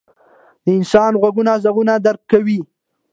• د انسان غوږونه ږغونه درک کوي.